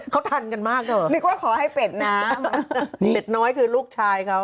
เขาทันกันมากเถอะนึกว่าขอให้เป็ดน้ำเป็ดน้อยคือลูกชายเขา